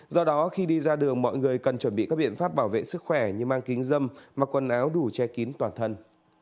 do đó khi đi ra đường mọi người cần chuẩn bị các biện pháp bảo vệ sức khỏe như mang kính dâm mặc quần áo đủ che kín toàn thân